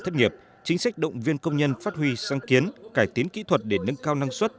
thất nghiệp chính sách động viên công nhân phát huy sáng kiến cải tiến kỹ thuật để nâng cao năng suất